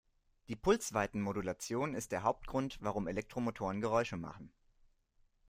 Die Pulsweitenmodulation ist der Hauptgrund, warum Elektromotoren Geräusche machen.